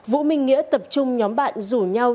vũ minh nghĩa tập trung nhóm bạn rủ nhau